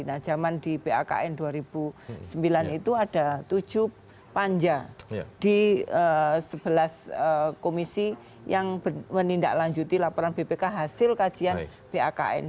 nah zaman di bakn dua ribu sembilan itu ada tujuh panja di sebelas komisi yang menindaklanjuti laporan bpk hasil kajian bakn